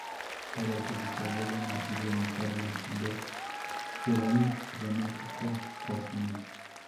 Para su bisabuelo nacido en Italia, ver Giovanni Domenico Cassini.